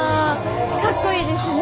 かっこいいですね！